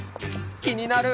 気になる！